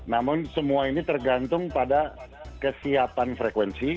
namun semua ini tergantung pada kesiapan frekuensi